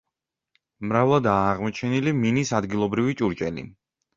მრავლადაა აღმოჩენილი მინის ადგილობრივი ჭურჭელი.